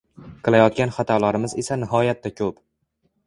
Qilayotgan xatolarimiz esa nihoyatda ko‘p.